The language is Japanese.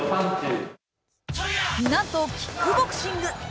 なんとキックボクシング。